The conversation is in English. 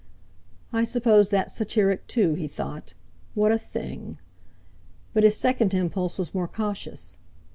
'I suppose that's satiric too,' he thought. 'What a thing!' But his second impulse was more cautious.